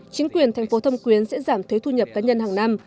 chính quyền thành phố thâm quyến sẽ giảm thuế thu nhập cá nhân hàng năm